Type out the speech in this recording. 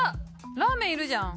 ラーメンいるじゃん。